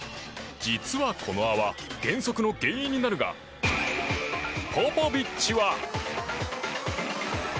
実はこの泡、減速の原因になるがポポビッチは。